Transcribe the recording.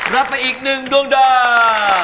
รับไปอีกหนึ่งดวงดาว